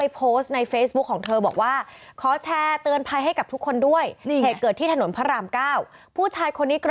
พี่อย่าไปทำกับใครอีกนะแบบนี้